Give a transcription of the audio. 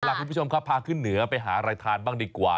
สวัสดีคุณผู้ชมพาขึ้นเหนือไปหาอะไรทานบ้างดีกว่า